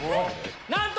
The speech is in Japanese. なんと！